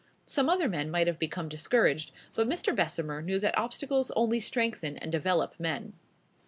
Some other men might have become discouraged; but Mr. Bessemer knew that obstacles only strengthen and develop men.